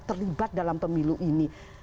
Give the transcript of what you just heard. terlibat dalam pemilu ini